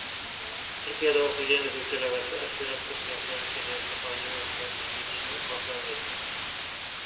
Turkiyada o‘qiyotgan o‘zbek talabasi: «Aksariyat turk yoshlari kelajakda xorij mamlakatlariga ketishni xohlamaydi....»